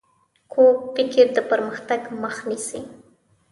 کوږ فکر د پرمختګ مخ نیسي